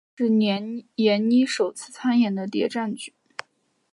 本剧是闫妮首次参演的谍战剧。